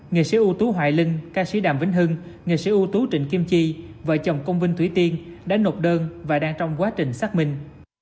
nghệ sĩ ưu tú hoài linh ca sĩ đàm vĩnh hưng nghệ sĩ ưu tú trịnh kim chi vợ chồng công vinh thủy tiên đã nộp đơn và đang trong quá trình xác minh